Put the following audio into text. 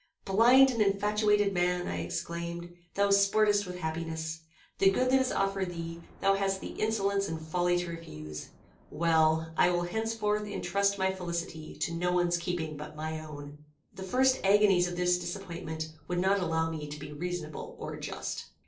Blind and infatuated man! I exclaimed. Thou sportest with happiness. The good that is offered thee, thou hast the insolence and folly to refuse. Well, I will henceforth intrust my felicity to no one's keeping but my own. The first agonies of this disappointment would not allow me to be reasonable or just.